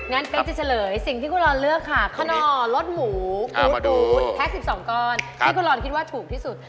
งั้นเป็นที่จะเฉลยสิ่งที่คุณร้อนเลือกค่ะขนอรสหมูคุ้นแพ็ค๑๒ก้อนที่คุณร้อนคิดว่าถูกที่สุด